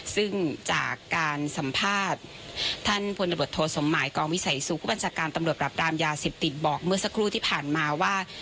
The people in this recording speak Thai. ซึ่งจากการสัมภาษณ์ท่านพลบทโทสมหมายกองวิสัยสู่ผู้บัญชาการตำรวจปรับรามยาเสพติดบอกเมื่อสักครู่ที่ผ่านมาว่า